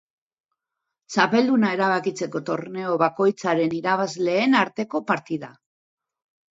Txapelduna erabakitzeko torneo bakoitzaren irabazleen arteko partida.